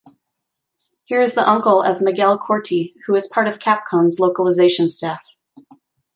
He is the uncle of Miguel Corti, who is part of Capcom's localization staff.